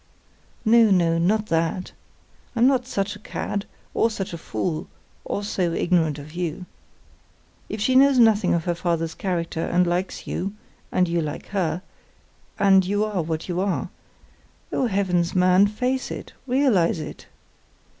"No, no, not that. I'm not such a cad, or such a fool, or so ignorant of you. If she knows nothing of her father's character and likes you—and you like her—and you are what you are—oh Heavens! man, face it, realise it!